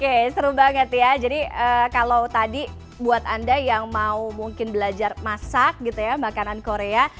oke seru banget ya jadi kalau tadi buat anda yang mau mungkin belajar masak gitu ya makanan korea